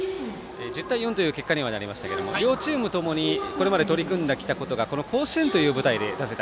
１０対４という結果にはなりましたが両チームともにこれまで取り組んできたことがこの甲子園という舞台で出せた。